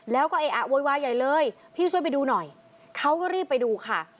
แล้วก็เออะโวยวายใหญ่เลยพี่ช่วยไปดูหน่อยเขาก็รีบไปดูค่ะ